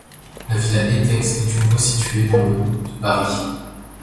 La villa Étex est une voie située dans le de Paris.